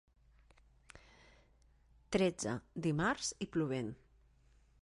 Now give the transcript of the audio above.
Tretze, dimarts i plovent.